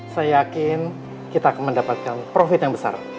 saya yakin kita akan mendapatkan profit yang besar